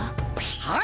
はい！